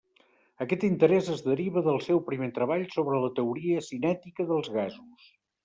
Aquest interès es deriva del seu primer treball sobre la teoria cinètica dels gasos.